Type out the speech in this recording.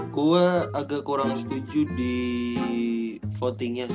gue agak kurang setuju di votingnya